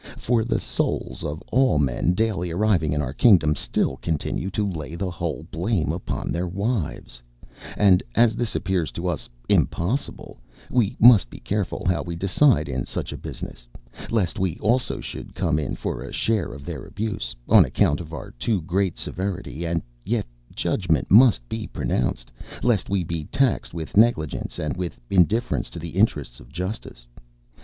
For the souls of all men daily arriving in our kingdom still continue to lay the whole blame upon their wives, and as this appears to us impossible, we must be careful how we decide in such a business, lest we also should come in for a share of their abuse, on account of our too great severity; and yet judgment must be pronounced, lest we be taxed with negligence and with indifference to the interests of justice.